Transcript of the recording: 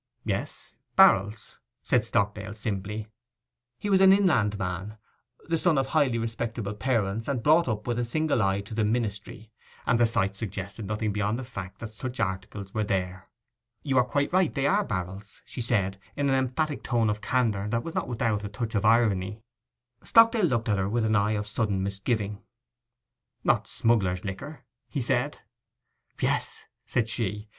'Yes, barrels,' said Stockdale simply. He was an inland man, the son of highly respectable parents, and brought up with a single eye to the ministry; and the sight suggested nothing beyond the fact that such articles were there. 'You are quite right, they are barrels,' she said, in an emphatic tone of candour that was not without a touch of irony. Stockdale looked at her with an eye of sudden misgiving. 'Not smugglers' liquor?' he said. 'Yes,' said she.